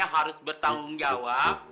harus bertanggung jawab